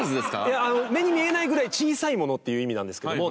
いや目に見えないぐらい小さいものっていう意味なんですけども。